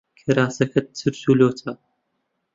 کراسەکەت چرچ و لۆچە.